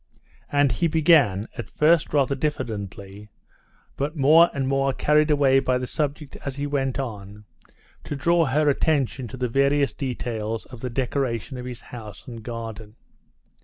And he began, at first rather diffidently, but more and more carried away by the subject as he went on, to draw her attention to the various details of the decoration of his house and garden.